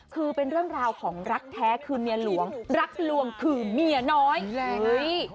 คือเป็นเรื่องราวของรักแท้คือเมียหลวงรักลวงคือเมียน้อยแรงเฮ้ย